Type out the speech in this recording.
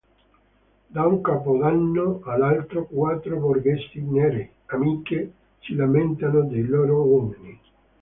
Da un capodanno all'altro quattro borghesi nere, amiche, si lamentano dei loro uomini.